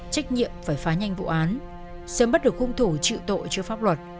trách nhiệm phải phá nhanh vụ án sớm bắt được cung thủ trự tội trước pháp luật